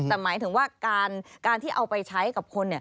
แต่หมายถึงว่าการที่เอาไปใช้กับคน